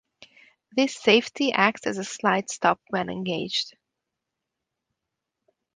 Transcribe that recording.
This safety acts as a slide stop when engaged.